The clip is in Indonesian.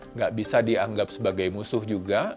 nggak bisa dianggap sebagai musuh juga